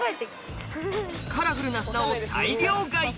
カラフルな砂を大量買い